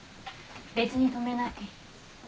別に止めない。